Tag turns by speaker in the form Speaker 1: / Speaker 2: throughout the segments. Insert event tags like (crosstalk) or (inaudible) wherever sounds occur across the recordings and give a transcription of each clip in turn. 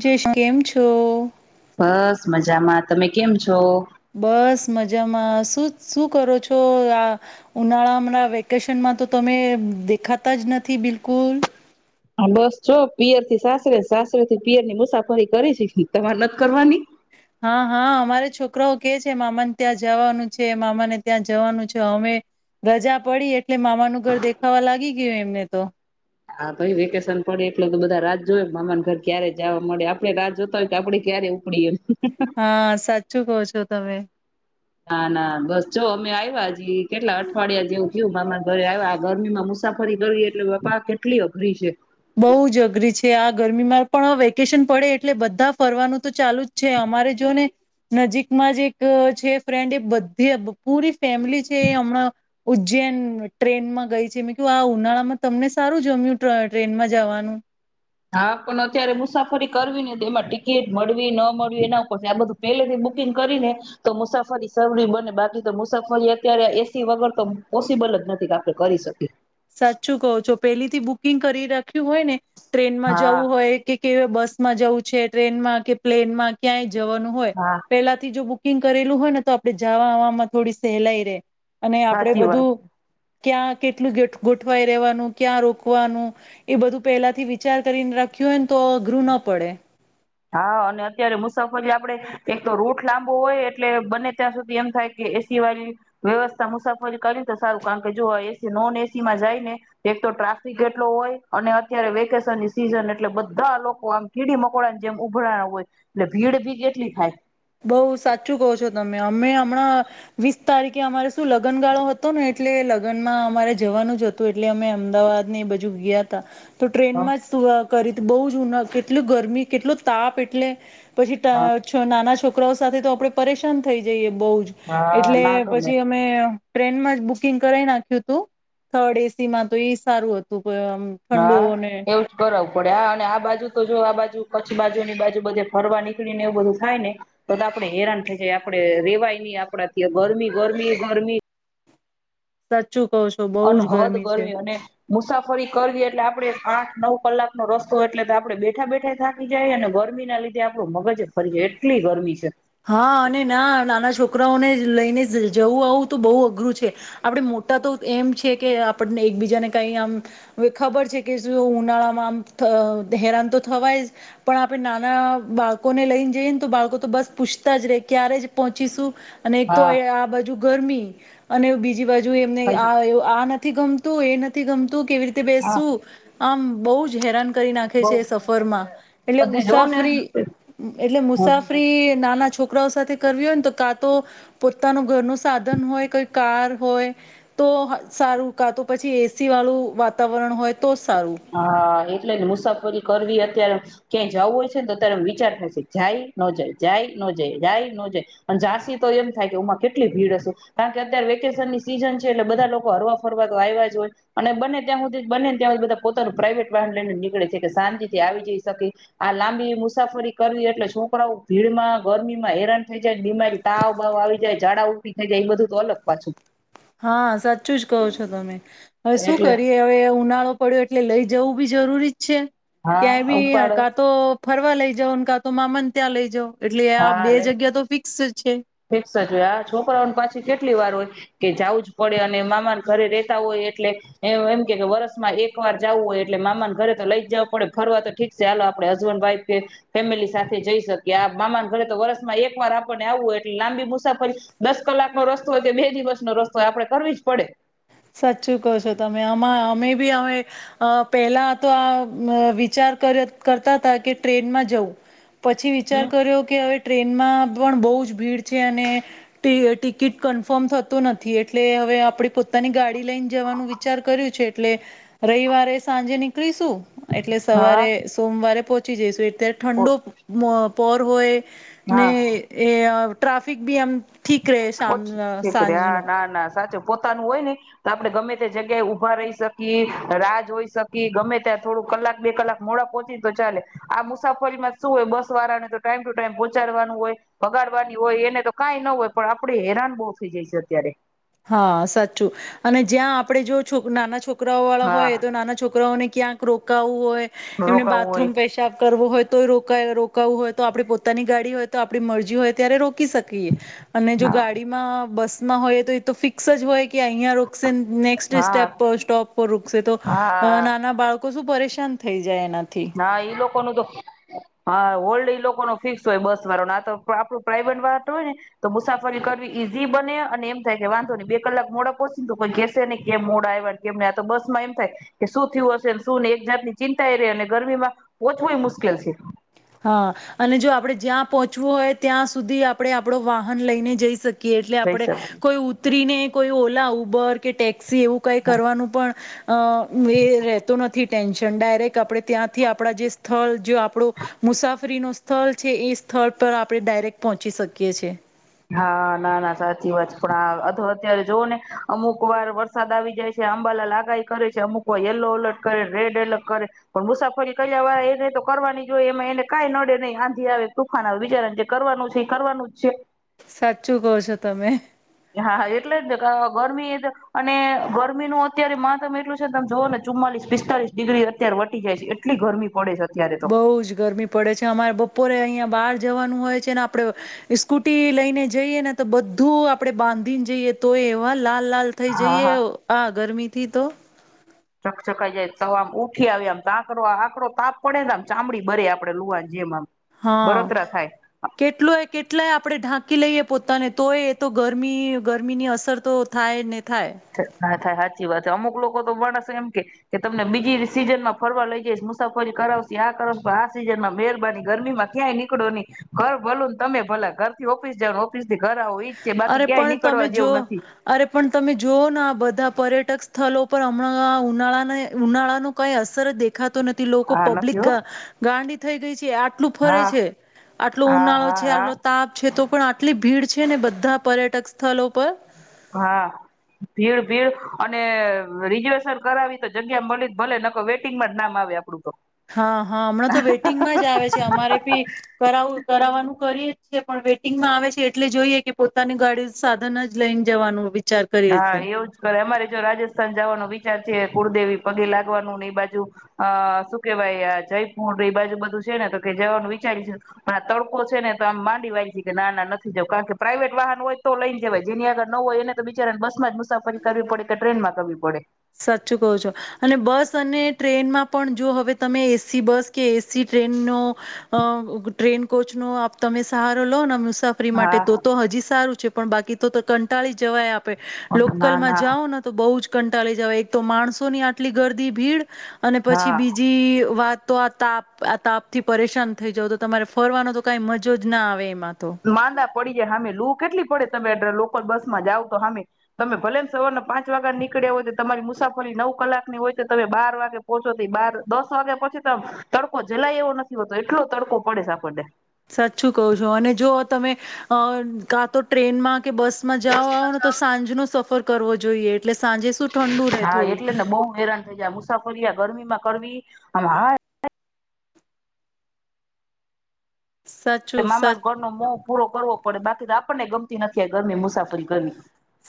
Speaker 1: જયેશ કેમ છો?
Speaker 2: બસ મજામાં, તમે કેમ છો?
Speaker 1: બસ મજામાં શું શું કરો છો, આ ઉનાળા અમના વેકેશનમાં તો તમે દેખાતા જ નથી બિલકુલ.
Speaker 2: હા બસ જો પિયર થી સાસરે, સાસરે થી પિયર ની મુસાફરી કરી છી, તમારે નથ કરવાની?
Speaker 1: હા હા અમારે છોકરાઓ કે છે મામાને ત્યાં જાવાનું છે, મામાને ત્યાં જવાનું છે, અમે રજા પડી એટલે મામાનું ઘર દેખાવા લાગી ગયું એમને તો.
Speaker 2: હા ભાઈ વેકેશન પડે એટલે તો બધા રાહ જોય મામાને ઘર ક્યારે જવા મળે. આપડણે રાહ જોતા હોય કે આપડે ક્યારે ઉપડીએ.
Speaker 1: હા સાચું કો છો તમે.
Speaker 2: ના ના બસ જો અમે આવ્યા હજ. કેટલા અઠવાડિયા જેવું થયું મામા ઘરે આવ્યા. ગરમી માં મુસાફરી કરવી એટલે બાપા કેટલી અઘરી છે.
Speaker 1: બહુ જ અઘરી છે, આ ગરમીમાં પણ વેકેશન પડે એટલે બધા ફરવાનું તો ચાલુ જ છે. અમારે જો ને નજીકમાં જ એક છે ફ્રેન્ડ એ બધી પૂરી ફેમિલી છે, એ હમણાં ઉજ્જૈન ટ્રેનમાં ગઈ છે. મેં કું આ ઉનાળામાં તમને સારું જમ્યું ટ્રેન માં જવાનું?
Speaker 2: હા પણ અત્યારે મુસાફરી કરવી ને તો એમાં ટિકિટ મળવી ન મળવી એના ઉપર છે, આ બધું પહેલેથી બુકિંગ કરી ને તો મુસાફરી જરૂરી બને બાકી તો મુસાફરી અત્યારે એસી વગર તો પોસિબલ જ નથી કે આપડણે કરી શકીએ.
Speaker 1: સાચું કહો છો પેલીથી બુકિંગ કરી રાખ્યું હોય ને ટ્રેનમાં
Speaker 2: હા
Speaker 1: જવું હોય કે કે બસ માં જવું છે ટ્રેનમાં કે પ્લેન માં ક્યાંય જવાનું હોય
Speaker 2: હા
Speaker 1: પેલાથી જો બુકિંગ બુકિંગ કરેલું હોય ને તો આપડણે જવા આવવામાં થોડી સહેલાઈ રહેે. અને આપડે
Speaker 2: સાચી વાત છે.
Speaker 1: બધું ક્યાં કેટલું ગેટ ગોઠવાઈ રહેવાનું ક્યાં રોકવાનું એ બધું પહેલાથી વિચાર કરીને રાખ્યું હોય ને તો અઘરું ના પડે.
Speaker 2: હા અને અત્યારે મુસાફરી આપડે એક તો રૂટ લાંબો હોય એટલે બને ત્યાં સુધી એમ થાય કે એસી વાળી વ્યવસ્થા મુસાફરી કરી તો સારું કારણ કે જો એસી નોન એસી માં જાય ને એક તો ટ્રાફિક એટલો હોય અને અત્યારે વેકેશનની સિઝન એટલે બધા લોકો આમ કીડી મકડા ની જેમ જેમ ઉભરા હોય ને ભીડ ભી કેટલી થાય.
Speaker 1: બઉ સાચું કહો છો તમે અમે હમણાં વીસ તારીખે અમારે શું લગ્નગાળો હતો ને એટલે લગ્નમાં અમારે જવાનું જ હતું એટલે અમે અમદાવાદ ને એ બાજુ ગયા ત તો
Speaker 2: હા
Speaker 1: ટ્રેનમાં જ શું કરી બહુ જુન કેટલું ગરમી કેટલો તાપ એટલે. પછી
Speaker 2: હા
Speaker 1: છ નાના. છોકરાઓ સાથે તો આપડે પરેશાન થઈ જઈએ. બહુ જ
Speaker 2: હા
Speaker 1: એટલે
Speaker 2: ના ગમે
Speaker 1: પછી અમે. ટ્રેનમાં જ બુકિંગ કરાવાઈ નાખ્યું હતું થર્ડ એસી માં તો એ સારું હતું. આમ ઠંડુ
Speaker 2: હા
Speaker 1: અને
Speaker 2: એવું જ કરવું પડ્યા. આ બાજુ તો જો આ બાજુ કચ્છ બાજુ ની બાજુ બધે ફરવા નીકળી ને એવું બધું થાય ને તો તો આડણે હેરાન થઈ જાય આપડે રેવાય આપડા ગરમી, ગરમી, ગરમી.
Speaker 1: સાચ ઓછું કહ છો બહુ જ
Speaker 2: અનહદ
Speaker 1: ગરમી છે.
Speaker 2: અને મુસાફરી કરવી એટલે આપડે આઠ નવ કલાકનો રસ્તો એટલે તો આપડે બેઠા બેઠા થાકી જાય, અને ગરમી ના લીધે આપડું મગજ જ ફરી જાય એટલી ગરમી છે.
Speaker 1: હા અને ના નાના છોકરાઓને લઈને જવું આવું તો બહુ અઘરું છે આપડે મોટા તો એમ છે, કે આપણને એકબીજાને કઈ આમ હ ખબર છે કે શું ઉનાળામાં આમ હેરાન તો થવાય જ પણ આપણે નાના બાળકોને લઈને જઈએ ને તો બાળકો તો બસ. પૂછતા જ રે ક્યારે જ પહોંચીશું. અને એક તો
Speaker 2: હા
Speaker 1: આ બાજુ. ગરમી અને બીજ બ બાજુ એમને
Speaker 2: હાચી
Speaker 1: આ આ ગમતું એ નથી ગમતું. તું કેવી રીતે
Speaker 2: હા.
Speaker 1: બેસસુ. આમ બહુ જ હેરાન. કરી નાખે
Speaker 2: બઉ
Speaker 1: છે
Speaker 2: બઉ
Speaker 1: સફર
Speaker 2: અને
Speaker 1: મા એટલે
Speaker 2: બધે જોવ ને
Speaker 1: મુસાફરી એટલે
Speaker 2: હમ
Speaker 1: મુસાફરી. નાના છોકરાઓ સાથે કરવી હોય ને તો કા તો પોતાનું ઘરનું સાધન હોયઈ કાર હોય તો સારું કા તો પછી એસી વાળું વાતાવરણ હોય. તો સારું
Speaker 2: હા એટલેને મુસાફરી કરવી હતી અત્યારે ક્યાંય જવું હોય છે ને તો ત્યારે વિચાર થાય છે જાય ન જાય જાય ન જાય જાય ન જાય અને ઝાંસી તો એમ થાય કેમાં કેટલી ભીડ હશે કારણ કે અત્યારે વેકેશન ની સીઝન છે એટલે બધા લોકો હરવા ફરવા તો આવ્યા જ હોય અને બને ત્યાં સુધી બનેને ત્યાં સુ બધા પોતાનું પ્રાઇવેટ વાહન લઈને નીકળે છે કે શાંતિથી આવી જઈ શકે આ લાંબી મુસાફરી કરવી એટલે, છોકરાઓ ભીડમાં ગરમીમાં હેરાન થઈ જાય બીમારી તાવ બાવ આવી જાય ઝડા ઉટી થઈ જાય એ બધું તો અલગ પાછું.
Speaker 1: હા સાચું જ કહો છો તમે. હવે શું
Speaker 2: એટલે
Speaker 1: કરીએ હવે ઉનાળો પડ્યો એટલે લઈ જ જવું બી જરૂરી છે ક્યાંય
Speaker 2: હા
Speaker 1: બી
Speaker 2: ઉપાડ
Speaker 1: કા તો ફરવા લઈ જવાનો કા તો મામન ત્યાં લઈ જાઓ. એટલે આ બે જગ્યા તો ફિક્સ છે.
Speaker 2: ઠસ જ આ છોકરાઓને પાછી કેટલી વાર હોય કે જવું જ પડે અને મામાન ઘરે રેતા હોય એટલે એ એમ કે વરસમાં એક વાર જવું હોય એટલે મામાન ઘરે તો લઈ જ જવું પડે ફરવા તો ઠીક છે, આાલો આપડે હસબન્ડ વાઈફ કે ફેમિલી સાથે જઈ શકીએ આ મામાન ઘરે તો વરસ માં એક વાર આપને આવવું હોય. લાંબી મુસાફરી દસ કલાકનો રસ્તો હોય કે બે દિવસનો રસ્તો આપડે કરવી જ પડે.
Speaker 1: સાચું કહ છો તમે આમાં અમે બી અમે પેલા તો આ વિચાર કરતા હતા કે ટ્રેનમાં જવું પછી વિચાર
Speaker 2: હમ
Speaker 1: કર્યો કે હવે ટ્રેનમાં પણ બોજ ભીડ છે અને ટિકિટ કન્ફર્મ થતું નથી એટલે હવે આપણે પો તાની ગાડી લઈને જવાનું વિચાર કર્યું છે એટલે રવિવારે સાંજે નીકળીશું. એટલે
Speaker 2: હા
Speaker 1: સવારે સોમવારે પોહચ. (unintelligible) ત્યારે ઠંડો મો પોર હોય ને
Speaker 2: હા
Speaker 1: એ આ ટ્રાફિક બી આમ ઠીક રહે શામ
Speaker 2: ઓછી
Speaker 1: અ
Speaker 2: છેતરે હા
Speaker 1: સાંજનુ.
Speaker 2: ના ના સાચું પોતાનું હોય ને તો આપડે ગમે ત્યા જગ્યાએ ઉભા રહી શકીએ રાહ જો હોઈ શકીએ ગમે ત્યાં થોડું કલાક બે કલાક મોડા પહોંચી તો ચાલે આ મુસાફરીમાં શું હોય બસ વાળાને તો ટાઈમ ટુ ટાઈમ પોહોંચાડવાનું હોય ભગાડવાની હોય એને તો કાંઈ ન હોય પણ આપડે હેરાન બહુ થઈ જાય છે અત્યારે.
Speaker 1: હા સાચું અને જ્યાં આપણે જો છો નાના છોક છોકરાઓ વાળા હોય
Speaker 2: હા
Speaker 1: તો નાના છોકરાઓને ક્યાંક ક રોકાવું હોય એમને
Speaker 2: રોકાવું હોય
Speaker 1: બાથરૂમ પેશાબ કરવો હોય. તોય રોકાય રોકાવવું હોય તો આપણે પોતાની ગાડી હોય તો આપણી મરજી હોય ત્યારે રો કી શકીએ અને જો
Speaker 2: હા
Speaker 1: ગાડીમાં બસ ના હોય તોય તો ફિક્સ જ હોય કે કે અહિયાં રોકશે નેક્
Speaker 2: હા
Speaker 1: સ્ટપ સ્ટોપ પર રોકશે તો અ
Speaker 2: હા
Speaker 1: નાના બાળકો શું પરેશાન થઈ જા
Speaker 2: હા ઈ લોકો નું તો હા વડ લોકો નો ફિક્સ હોય બસ વાળો આ આપું પ્રાઈવેટ વા હાન હોય ને તો મુસાફરી કરવી ઈઝી બને અને એમ થાય કે વાંધો નહી, બે કલાક મોડા પોછીને તો કોઈ કેહેશે નને કેમ મોડા આવ કેમ આ તો બસ માં એમ થાય કે શું થયું હશે શુંને એક જાતની ચિંતા એ રહે ગરમીમાં ઓછું મુશ્કેલ છે.
Speaker 1: હા અને જો આપણે જ્યાં પહોંચવું હોય ત્યાં સુધી આપણે આપડો વાહન લઈને જઈ શકી કે એટલે
Speaker 2: જઈ
Speaker 1: આપણે
Speaker 2: સર
Speaker 1: કોઈ ઉતરીને. કોઈ ઓલા ઉબર કે ટેક્ એવું કઈ કરવાનું પણ. અ એ રેતો નથી. ટેન્શન ડાયરેક્ટ આપે ત્યાંથી આપડા જે સ્થળ જો આપણું મુસાફરી નું સ્થળ છે, એ સ્થળ પર આપણે ડાયરેક્ટ પહોંચી શકીએ છે.
Speaker 2: હા ના ના સાચી વાત પણ આધ અત્યારે જોઓ ને અમુક વાર વરસાદ આવી જાય છે આંબાલા લાગાઈ કરે છે અમુક વાર યલો એલર્ટ કરે, રેડ એલર્ટ કરે, પણ મુસાફરી કયા વાર એને તો કરવાની જોય એમાં એને કાઈ નડે નહી આંધી આવે તુફાન આવે બિચારાને જે કરવાનું છે એ કરવાનું જ છે.
Speaker 1: સાચું કહ છો તમે.
Speaker 2: હા હા એટલે જ ગરમી એ અને ગરમીનું અત્યારે માતમ તમ એટલું છે તમે જોઓને ચુમ્માલીસ પિસ્તાલીસ ડિગ્રી અત્યારે વટી જાય છે એટલી ગરમી પડે છે. અત્યારે તો
Speaker 1: બઉ જ ગરમી પડે છે અમારે બપોરે અહીં બહાર જવાનું હોય છેને આપડે સ્કૂટી લઈને જઈએ ને તો બધું આપડે બાંધીને જઈએ તોય એવા લા લાલ લાલ થઈ
Speaker 2: હા
Speaker 1: જઈએ
Speaker 2: હા
Speaker 1: આ ગરમી તો
Speaker 2: ચકચકાઈ જાય તમ ઉઠી આવ આમ તો આંકરો આંકરો તાપ પડે આમ ચામડી બરે આપડે લુવાની જેમ આમ
Speaker 1: હા
Speaker 2: બળતરા થાય.
Speaker 1: કેટલું એ કેટલાય આપણેે ઢાંકી કી લઈએ પોતાને તોય એ તો ગરમી-ગરમી ની અસર તો થાય ને થાય
Speaker 2: હા થાય સાચી વાત. અમુક લોકો તો માણશે એમ કે કે તમને બીજી સીઝન માં ફરવા લઈ જઈ, મુસાફરી કરાવશે આ આ સીઝન માં મહેરબાની ગરમીમાં ક્યાંય નીકળો ની ઘર ભલુ ને તમે ભલા ઘર થી ઓફિસ જાવ ને ઓફિસ ઘરા હો ઈ જ છે બાકી
Speaker 1: અરે
Speaker 2: ક્યાંય
Speaker 1: પણ તમે
Speaker 2: નીકળવા જેવું નથી.
Speaker 1: અરે પણ તમે જો આ બધા પર્યટક સ્થળો પર હમણાં ઉનાળાને ઉનાળા નો કઈ અસર દેખ દેખાતો નથી લોકો
Speaker 2: હા
Speaker 1: પબ્લિક
Speaker 2: નથી હો
Speaker 1: ગા થઈ ગઈ છે આ આટલું ફરે
Speaker 2: હા
Speaker 1: છે, આટલો
Speaker 2: હા
Speaker 1: ઉનાળો
Speaker 2: હા
Speaker 1: છે
Speaker 2: હા
Speaker 1: આટલો તાપ છે તો પ પણ આટલી ભીડ છે ને બધા પર્યટક સ્થળો પર.
Speaker 2: હા ભીડ ભીડ અને રિજર્વેશન કરાવી તો જગ્યામાં મળ ભલે નક વેટિંગમાં જ નામ આવે આપડું તો
Speaker 1: હા હા હમણાં તો વેઇટિંગમાં જ આવે છે, અમારે ભી કરાવું કરાવવાનું કરીએ જ પણ વેટિંગમાં આવે છે એટલે જોઈએ કે પોતાની ગાડી સાધન જ લઈને જવાનું. વિચાર કરીએ
Speaker 2: હા
Speaker 1: છે
Speaker 2: એવું જ કરે અમારે જો રાજસ્થાન જવાનો વિ વિચાર છે કુળદેવી પગે લાગવાનું ને એ બાજુ અ શું કેહેવાય આ જયપુર ને એ બાજુ બધું છે ને તો કે જવાનું વિચારી છે પણ આ તડકો છે, ને તો આમ માંડી વાય છે કે ના ના નથી જવ કારણ કે પ્રાઈઇવેટ વાહન હોય તો લઈને જવાય જેની આગર ન હોય એને તો બિચારા બસમાં જ મુસાફરી કરવી પડે કે ટ્રેન માં કરવી પડે.
Speaker 1: સાચું કો છો, અને બસ અને ટ્રેનમાં પણ જો હવે તમે એસી બસ કે એસી ટ્રેનનો અ ટ્રેન કોચનો તમે સહારો લો નેમ મુસાફરી માટે તો
Speaker 2: હા
Speaker 1: તો હજી સારું છે. પણ બાકી તો તો કંટાળી જવાય આપ પે
Speaker 2: ના
Speaker 1: લોકલમાં
Speaker 2: ના
Speaker 1: જાઓ ન તો બહુ જ કંટાળી જવાય એક તો માણસો ની આટલી ગરદી ભીડ અને પછી
Speaker 2: હા
Speaker 1: બીજી વાત તો આ તાપ આ તાપ થી પરેશાન થઈ જાવ તો તમારે ફરવાનો તો કઈ મજો જ ના આવે એમાં. તો
Speaker 2: માંદા પડી જાય હામે લુ કેટલી પડે. તમે લોકલ બસ માં જાવ તો સામે તમે ભલે ને સવારના પાંચ વાગ્યા નીકળ્યા હોય તો તમારી મુસાફરી નવ કલાક ની હોય તો તમે બાર વાગે પોહોંચો તો બાર દસ વાગ્યા પછી તો તડકો જલાય એવો નથી હોતો એટલો તડકો પડે છે આપણને.
Speaker 1: સાચું કહ છું અને જો તમે અ કા તો ટ્રેનમાં કે બસ માં જાઓ આવ ને તો સાંજ નો સફર કરવો જોઈએ. એટલે સાંજે શું ઠંડુ રહે
Speaker 2: હા
Speaker 1: થોડું
Speaker 2: એટલે ને બહુ હેરાન થઈ જાય મુસાફરીયા ગરમીમાં કરવી આમાં હાય તે
Speaker 1: સાચું સા
Speaker 2: મામાના ઘરનો મોહ પૂરો કરવો પડે બાકી તો આપણનેય ગમતી નથી ગરમી મુસાફરી કરવી.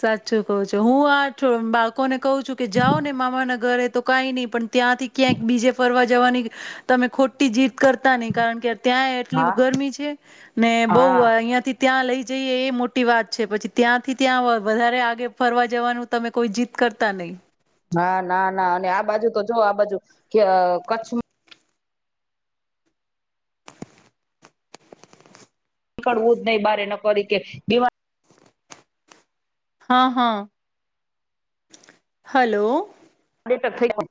Speaker 1: સાચું કું છું હું આ બાળકોને કહું છું કે જાઓ ને મામાના ઘરે. તો કાઈ નહી પણ ત્યાંથી ક્યાંક બીજે ફરવા જવાની તમે ખોટી જીત કરતા નહી કારણ કે ત્યાં એટલી
Speaker 2: હા
Speaker 1: ગરમી છે ને બહુ
Speaker 2: હા
Speaker 1: અહિયાંથી ત્યાં લઈ જઈએ એ મોટી વાત છે પછી ત્યાંથી ત્યાં વધારે આગે ફરવા જવાનું તમે કોઈ જીત કરતા નહી
Speaker 2: ના, ના, ના, અને આ બાજુ તો જો આ બાજુ કે કચ્છમાં નીકળવું જ નહી બાર એ નકરી કે બીમા
Speaker 1: હા, હા, હલો
Speaker 2: ક (unintelligible) થઈ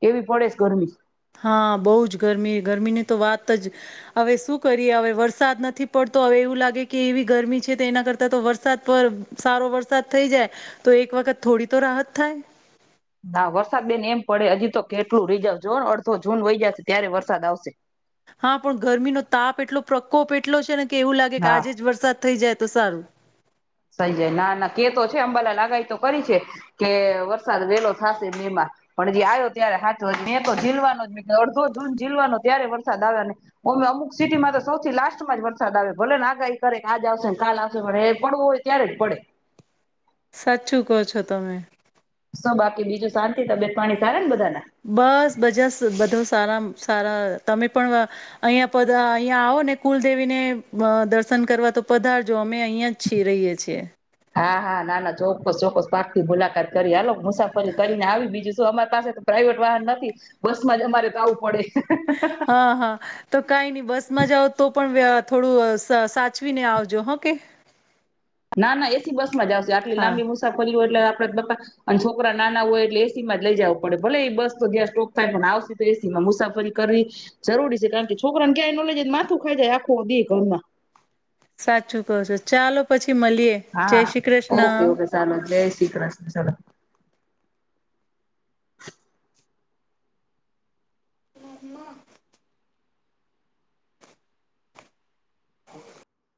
Speaker 2: જ એવી પડેસ ગરમી
Speaker 1: હા, બહુ જ ગરમી, ગરમીની તો વાત જ હવે શું કરીએ હવે વરસાદ નથી પડતો હવે એવું લાગે કે એવી ગરમી છે તો એના કરતા તો વરસાદ પર સારો વરસાદ થઈ જાય તો એક વખત થોડી તો રાહત થાય
Speaker 2: ના વરસાદ બેન એમ પડે હજી તો કેટલું રીઝર્ જો અડધો જૂન વહી જશે ત્યારે વરસાદ આવશે
Speaker 1: હા પણ ગરમીનો તાપ એટલો પ્રકોપ એટલો છે ને એવું લાગે કે
Speaker 2: હા
Speaker 1: આજે જ વરસાદ થઈ જાય તો સારું
Speaker 2: સઈ જાય ના ના કેતો છે અંબાલા આગાઈ તો કરી છે કે વરસાદ વેલો થશે મેમાં પણ હજી આવ્યો ત્યારે હાચ મે તો ઝીલવાનો જ મેં અડધો જૂન જીલવાનો ત્યારે વરસાદ આવ્યો ને અમે અમુક સિટીમાં તો સૌથી લાસ્ટમાં જ વરસાદ આવ્યો ભલે આગાઈ કરે આજ આવશે ને કાલ આવશે પણ એ પડવો હોય ક્યારે પડે
Speaker 1: સાચું કહો છો તમે
Speaker 2: શું બાકી બીજું શાંતિ તબયત પાણી સારા બધ
Speaker 1: બસ ભજ સ બધુ સારામ, સારા તમે પણ અહીંયા પ અહીંયા આવો ને કુલદેવીને દર્શન કરવા તો પધારજો અમે અહીંયા જ છીએ રહીએ છીએ
Speaker 2: હા, હા, ના, ના ચોક્કસ ચોક્કસ પાકથી મુલાકાત કરી હાલો સફરે કરીને આવી બીજું અમાર પાસે તો પ્રાાઈવેટ વાહન નથી, બસ માં જ અમારે આવાવું પડે.
Speaker 1: હા હા તો કઈ નહી બસમાં જાઓ તો પણ વ્ય થોડું સાચવીને આવજો હો કે.
Speaker 2: ના ના એસી બસ માં જ આવશે આટલી
Speaker 1: હા
Speaker 2: લાંબી મુસાફરી હોય. એટ આપડે બ અને છોકરા નાના હોય એટલે એ સીમાં જ લઈ જવું પડે ભલે એ બસ તો જ્યાં સ્ટોપ થાય પણ આવશે તો એસી માં મુસાફરી કરવી, જરૂરી છે કારણ કે છોકરાને ક્યાંય નોલેજ માથું ખાઈ જાય આખું દે ઘરમાં.
Speaker 1: સાચું કહ છો ચાલો પછી મળીએ જય
Speaker 2: હા
Speaker 1: શ્રી
Speaker 2: ઓકે
Speaker 1: કૃષ્ણ
Speaker 2: ઓકે ચાલો જય શ્રી કૃષ્ણ ચાલો. (inaudible)
Speaker 1: હ (inaudible)